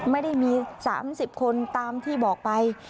ไม่ได้มี๓๐คนตามที่บอกไป